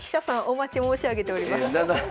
お待ち申し上げております。